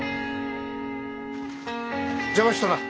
邪魔したな。